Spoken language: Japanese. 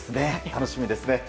楽しみですね。